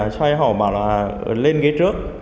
xoay họ bảo là lên ghế trước